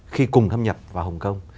khi cùng thâm nhập vào hồng kông